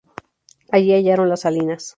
Allí hallaron las salinas.